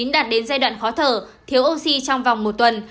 đạt đến giai đoạn khó thở thiếu oxy trong vòng một tuần